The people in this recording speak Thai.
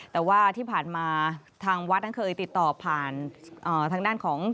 แต่ว่าที่ผ่านมาทางวัดนั้นเคยติดต่อผ่านทางด้านของ